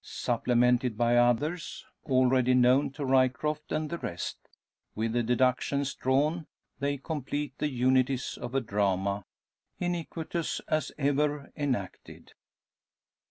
Supplemented by others already known to Ryecroft and the rest, with the deductions drawn, they complete the unities of a drama, iniquitous as ever enacted.